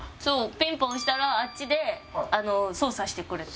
ピンポン押したらあっちで操作してくれて。